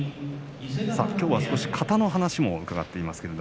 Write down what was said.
きょうは少し型の話も伺っています。